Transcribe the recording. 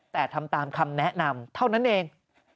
แต่ทำตามคำแนะนำเท่านั้นเอง